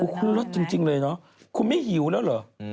คุณเลิศจริงเลยเนอะคุณไม่หิวแล้วเหรอ